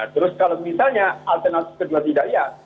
terus kalau misalnya alternatif kedua tidak ya